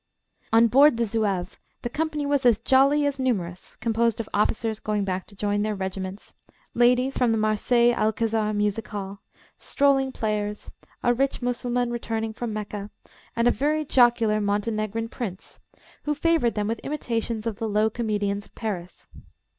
On board the Zouave the company was as jolly as numerous, composed of officers going back to join their regiments, ladies from the Marseilles Alcazar Music Hall, strolling players, a rich Mussulman returning from Mecca, and a very jocular Montenegrin prince, who favoured them with imitations of the low comedians of Paris.